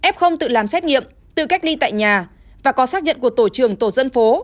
f tự làm xét nghiệm tự cách ly tại nhà và có xác nhận của tổ trưởng tổ dân phố